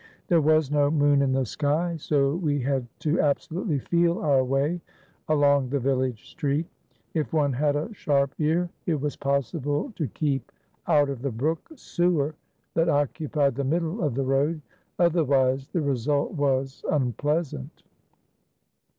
There was no moon in the sky, so we had to absolutely feel our way along the village street. If one had a sharp ear, it 422 AN ATTACK ON THE BASHI BAZOUKS was possible to keep out of the brook sewer that occu pied the middle of the road; otherwise, the result was unpleasant.